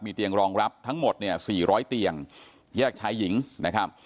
เตียงรองรับทั้งหมดเนี่ย๔๐๐เตียงแยกชายหญิงนะครับ